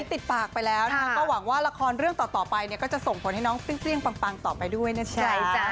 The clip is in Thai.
ติดปากไปแล้วก็หวังว่าละครเรื่องต่อไปเนี่ยก็จะส่งผลให้น้องเปรี้ยงปังต่อไปด้วยนะจ๊ะ